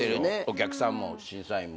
お客さんも審査員も。